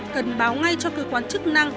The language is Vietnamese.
cần báo ngay cho cơ quan chức năng